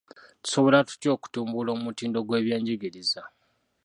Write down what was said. Tusobola tutya okutumbula omutindo gw'ebyenjigiriza?